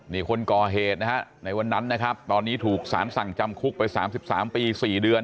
นี่คนก่อเหตุนะฮะในวันนั้นนะครับตอนนี้ถูกสารสั่งจำคุกไป๓๓ปี๔เดือน